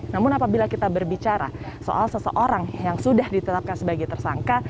namun apabila kita berbicara soal seseorang yang sudah ditetapkan sebagai tersangka